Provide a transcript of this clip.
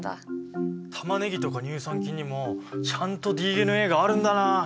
タマネギとか乳酸菌にもちゃんとＤＮＡがあるんだな。